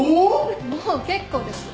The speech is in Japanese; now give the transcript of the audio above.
もう結構です。